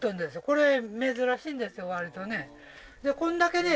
これ珍しいんですよ割とねこんだけね